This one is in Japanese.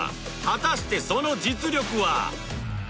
果たしてその実力は？